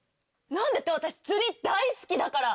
何でって私釣り大好きだから！